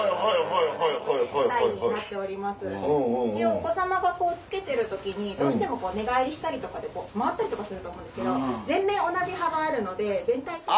お子様が着けてる時にどうしても寝返りしたりとかで回ったりとかすると思うんですけど全面同じ幅あるので全体的に。